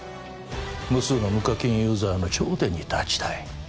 無数の無課金ユーザーの頂点に立ちたい